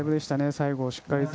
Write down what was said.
最後、しっかりと。